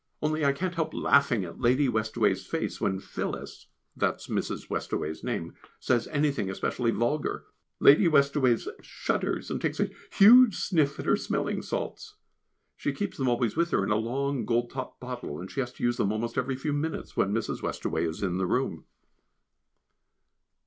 Only I can't help laughing at Lady Westaway's face when "Phyllis" (that is Mrs. Westaway's name) says anything especially vulgar; Lady Westaways shudders, and takes a huge sniff at her smelling salts. She keeps them always with her in a long gold topped bottle, and she has to use them almost every few minutes when Mrs. Westaway is in the room.